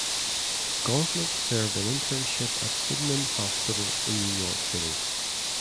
Gauntlett served an internship at Sydenham Hospital in New York City.